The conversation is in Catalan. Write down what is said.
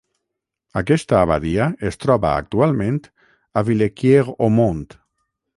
Aquesta abadia es troba actualment a Villequier-Aumont.